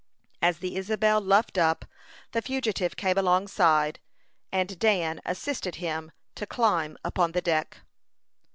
As the Isabel luffed up, the fugitive came alongside, and Dan assisted him to climb upon the deck.